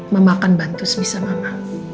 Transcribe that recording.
mama akan bantu semisal mama